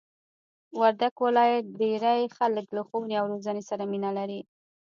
وردګ ولایت ډېرئ خلک له ښوونې او روزنې سره مینه لري!